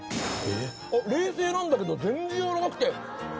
冷製なんだけど全然やわらかくて。